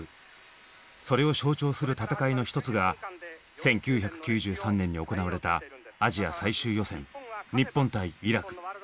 それを象徴する戦いの一つが１９９３年に行われたアジア最終予選日本対イラク。